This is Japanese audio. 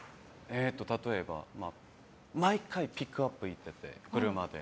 例えば毎回ピックアップ行って、車で。